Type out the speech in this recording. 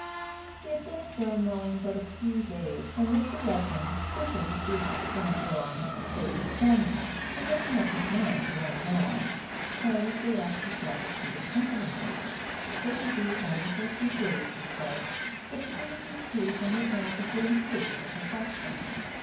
She had been at Durnmelling but a few days, when Mr. Redmain, wishing to see how things were on his estate in Cornwall, and making up his mind to run down, carelessly asked his wife if she would accompany him: it would be only for a few days, he said; but a breeze or two from the Atlantic would improve her complexion.